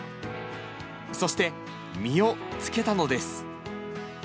そして、実をつけたのです。